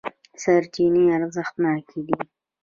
سرچینې ارزښتناکې دي.